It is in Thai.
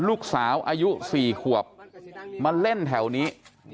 ลูกสาวอายุ๔ขวบมาเล่นแถวนี้